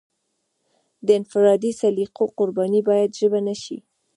د انفرادي سلیقو قرباني باید ژبه نشي.